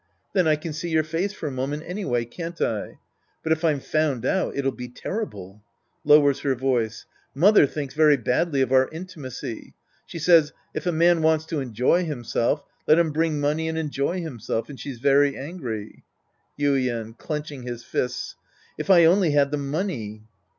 Then I can see your face for a moment anyway, can't I ? But if I'm found out, it'll be ter rible. {Lowers her voice.) " ]\Iother " thinks very badly of our intimacy. She says, " If a man wants to enjoy himself, let him bring money and enjoy himself," and she's veiy angry. Yuien {clenching his fists). If I only had the money